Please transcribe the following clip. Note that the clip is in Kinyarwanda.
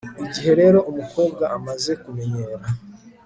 igihe rero umukobwa amaze kumenyera